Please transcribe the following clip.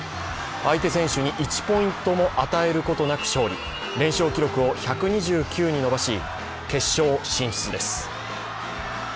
相手選手に１ポイントも与えることなく勝利、連勝記録を１２９に伸ばし、決勝進出です。